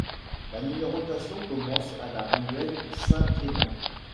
La numérotation commence à la ruelle Saint-Clément.